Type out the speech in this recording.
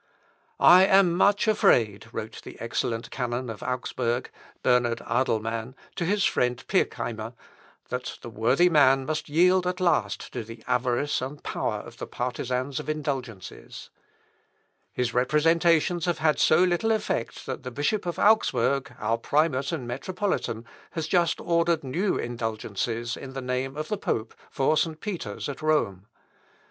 "I am much afraid," wrote the excellent canon of Augsburg, Bernard Adelman, to his friend Pirckeimer, "that the worthy man must yield at last to the avarice and power of the partizans of indulgences. His representations have had so little effect, that the Bishop of Augsburg, our primate and metropolitan, has just ordered new indulgences, in the name of the pope, for St. Peter's at Rome.